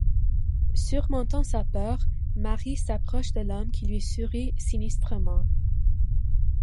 Surmontant sa peur, Mary s'approche de l'homme qui lui sourit sinistrement.